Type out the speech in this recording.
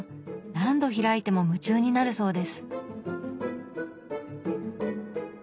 何度開いても夢中になるそうです。